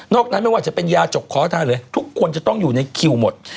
นั้นไม่ว่าจะเป็นยาจกขอทานเลยทุกคนจะต้องอยู่ในคิวหมด